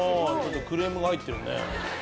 ちょっとクレームが入ってるね。